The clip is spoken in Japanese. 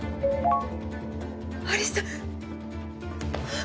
有沙！